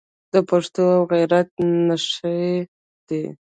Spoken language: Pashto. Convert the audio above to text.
د پښتو او غیرت نښې دي.